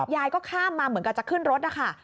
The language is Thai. ก็ข้ามมาเหมือนกับจะขึ้นรถนะคะ